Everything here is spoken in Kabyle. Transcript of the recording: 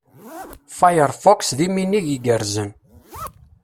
Firefox, d iminig igerrzen.